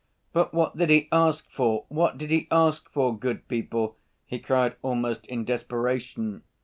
"But what did he ask for, what did he ask for, good people?" he cried almost in desperation.